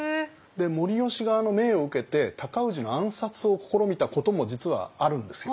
護良側の命を受けて尊氏の暗殺を試みたことも実はあるんですよ。